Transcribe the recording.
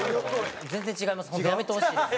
全然違います！